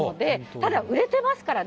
まだ売れてますからね。